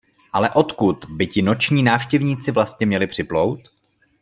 Ale odkud by ti noční návštěvníci vlastně měli připlout?